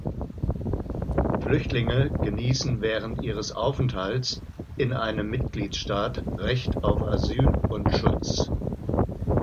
Flüchtlinge genießen während ihres Aufenthalts in einem Mitgliedstaat Recht auf Asyl und Schutz.